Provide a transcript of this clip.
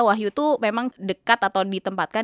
wahyu itu memang dekat atau ditempatkan